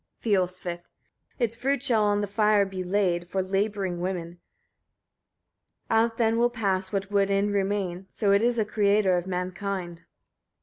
Fiolsvith. 23. Its fruit shall on the fire be laid, for labouring women; out then will pass what would in remain: so is it a creator of mankind.